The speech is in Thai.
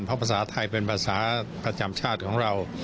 เพราะภาษาไทยเป็นภาษาประจำชาติของเรา